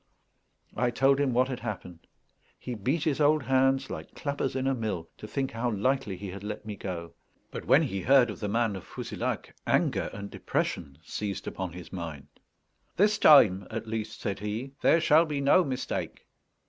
I told him what had happened. He beat his old hands like clappers in a mill, to think how lightly he had let me go; but when he heard of the man of Fouzilhac, anger and depression seized upon his mind. "This time, at least," said he, "there shall be no mistake."